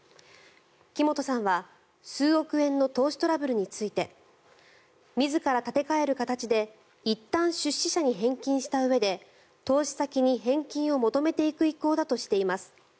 木本さんは数億円の投資トラブルについて自ら立て替える形でいったん出資者に返金したうえで投資先に返金を求めていく意向だとしています。